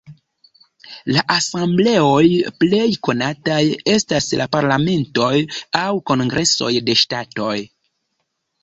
La asembleoj plej konataj estas la parlamentoj aŭ kongresoj de ŝtatoj.